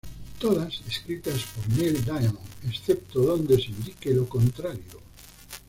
Todas escritas por Neil Diamond, excepto donde se indique lo contrario.